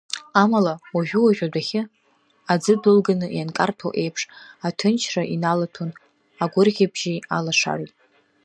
Амала, уажәы-уажә, адәахьы аӡы дәылганы ианкарҭәо еиԥш, аҭынчра иналаҭәон агәырӷьабжьи алашареи.